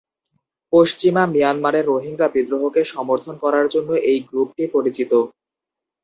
পশ্চিমা মিয়ানমারের রোহিঙ্গা বিদ্রোহকে সমর্থন করার জন্য এই গ্রুপটি পরিচিত।